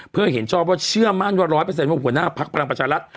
เพื่อเห็นชอบว่าเชื่อมั่นว่า๑๐๐ว่าหัวหน้าพักพลังประชารัฐ